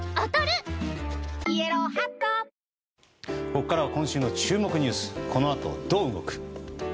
ここからは、今週の注目ニュースこの後どう動く？